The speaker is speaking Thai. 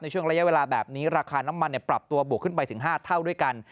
ช่วงระยะเวลาแบบนี้ราคาน้ำมันปรับตัวบวกขึ้นไปถึง๕เท่าด้วยกัน